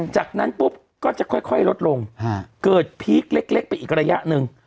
จากนั้นปุ๊บก็จะค่อยลดลงเกิดพีคเล็กไปอีกระยะหนึ่ง